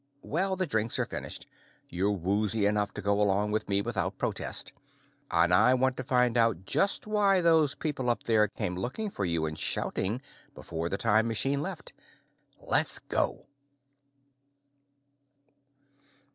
Well, the drinks are finished. You're woozy enough to go along with me without protest, and I want to find out just why those people up there came looking for you and shouting, before the time machine left. Let's go.